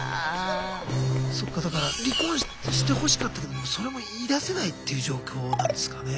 そっかだから離婚してほしかったけどそれも言いだせないっていう状況なんですかね。